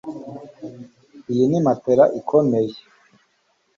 Iyi ni matelas ikomeye